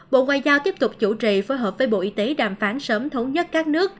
bộ ngoại giao tiếp tục chủ trì phối hợp với bộ y tế đàm phán sớm thống nhất các nước